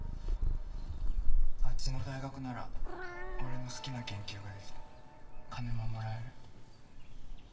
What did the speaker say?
あっちの大学なら俺の好きな研究ができて金ももらえる。